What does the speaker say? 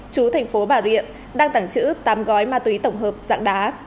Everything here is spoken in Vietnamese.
chú tp bà rịa đang tẳng trữ tám gói ma túy tổng hợp dạng đá